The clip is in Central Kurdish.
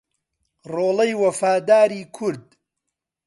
ڕۆڵەی وەفاداری کورد